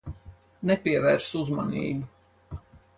Nepievērs uzmanību.